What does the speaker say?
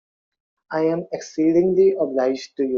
I am exceedingly obliged to you.